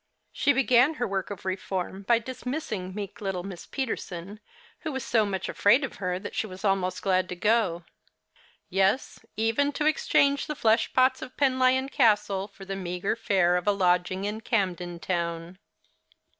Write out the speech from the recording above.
She began her work of reform by dismissing meek little 3Iiss Peterson, who was so much afraid of her that she was almost glad to go ; yes, even to exchange the fleshpots of Penlyon Castle for the meagre fare of a lodging in Camden Town.